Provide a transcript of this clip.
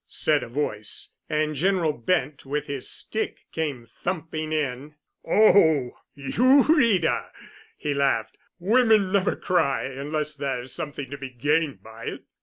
said a voice. And General Bent, with his stick, came thumping in. "Oh—you, Rita?" he laughed. "Women never cry unless there's something to be gained by it."